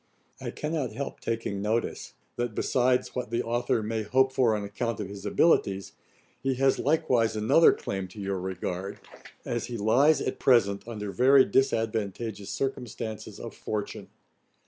I cannot help taking notice, that, besides what the authour may hope for on account of his abilities, he has likewise another claim to your regard, as he lies at present under very disadvantageous circumstances of fortune.